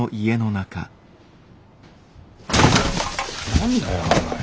何だよおい